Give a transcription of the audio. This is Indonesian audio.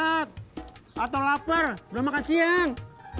atau lapar belum makan siang